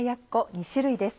２種類です。